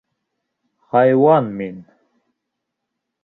Хайуан мин!